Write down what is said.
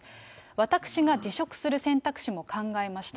私が辞職する選択肢も考えました。